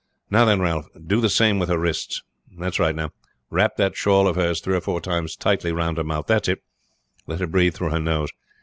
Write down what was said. "Now then, Ralph, do the same with her wrists. That's right now. Wrap that shawl of hers three or four times tightly round her mouth. That's it; let her breathe through her nose.